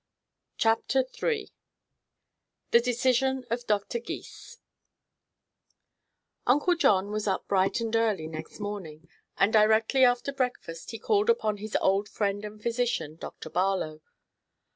CHAPTER III THE DECISION OF DOCTOR GYS Uncle John was up bright and early next morning, and directly after breakfast he called upon his old friend and physician, Dr. Barlow.